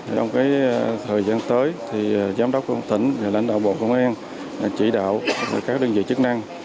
trong thời gian tới giám đốc công an tỉnh lãnh đạo bộ công an chỉ đạo các đơn vị chức năng